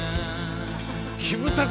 キムタク